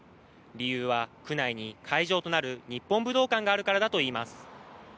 理由は、区内に会場となる日本武道館があるからだといいます。